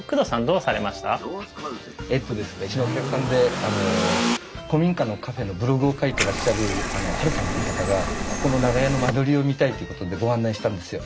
うちのお客さんで古民家のカフェのブログを書いてらっしゃるハルさんっていう方がここの長屋の間取りを見たいということでご案内したんですよ。